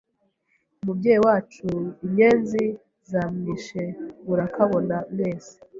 Umubyeyi wacu Inyenzi zamwishe murakabona mwese,